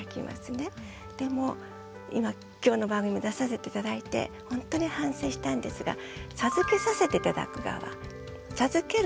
でも今今日の番組に出させて頂いてほんとに反省したんですが授けさせて頂く側授ける授援力